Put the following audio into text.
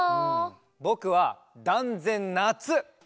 ぼくはだんぜんなつ！